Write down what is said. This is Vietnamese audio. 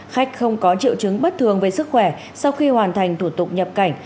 khách không có triệu chứng bất thường về sức khỏe sau khi hoàn thành thủ tục nhập cảnh